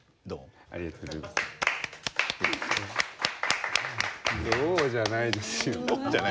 「どう？」じゃないですよ。